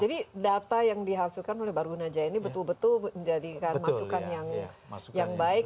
jadi data yang dihasilkan oleh baru unajaya ini betul betul menjadikan masukan yang baik